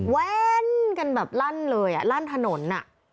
แว้นกันแบบลั่นเลยอ่ะลั่นถนน